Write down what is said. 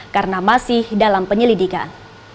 karena masih dalam penyelidikan